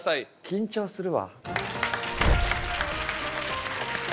緊張するわ。